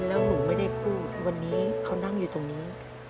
แล้วหนูไม่ได้พูดวันนี้เขานั่งอยู่ตรงนี้